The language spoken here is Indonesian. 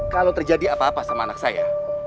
kalau terjadi apa apa sama anak saya